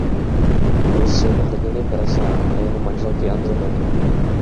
Byl syn hrdiny Persea a jeho manželky Andromedy.